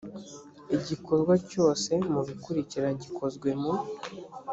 igikorwa cyose mu bikurikira gikozwe mu